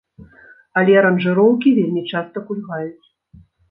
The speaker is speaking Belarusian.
Але аранжыроўкі вельмі часта кульгаюць.